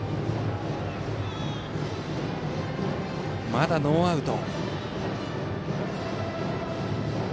まだノーアウト。